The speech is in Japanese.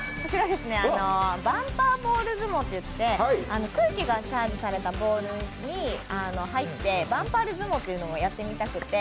バンパーボール相撲っていって空気がチャージされたボールにバンパーボール相撲っていうのをやってみたくて。